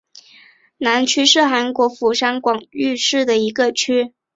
南区是韩国釜山广域市的一个区。